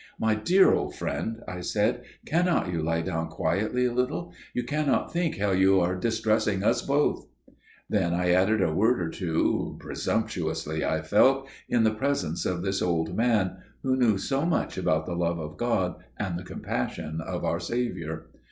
"My dear old friend," I said, "cannot you lie down quietly a little? You cannot think how you are distressing us both." Then I added a word or two, presumptuously, I felt, in the presence of this old man, who knew so much about the Love of God and the Compassion of our Saviour.